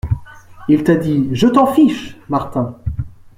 Il t’a dit : "Je t’en fiche !" Martin.